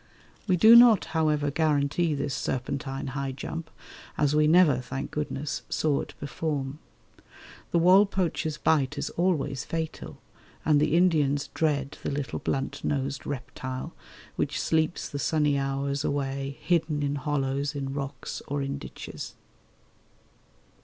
We do not, however, guarantee this serpentine high jump, as we never, thank goodness, saw it perform. The uolpoch's bite is always fatal, and the Indians dread the little blunt nosed reptile, which sleeps the sunny hours away hidden in hollows in rocks or in ditches.